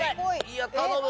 いや頼む！